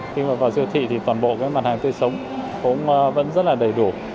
khi mà vào siêu thị thì toàn bộ cái mặt hàng tươi sống cũng vẫn rất là đầy đủ